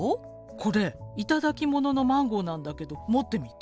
これ頂き物のマンゴーなんだけど持ってみて。